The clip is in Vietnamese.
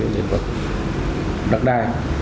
địa phục đất đa